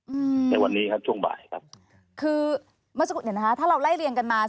อืมในวันนี้ครับช่วงบ่ายครับคือเมื่อสักครู่เดี๋ยวนะคะถ้าเราไล่เรียงกันมา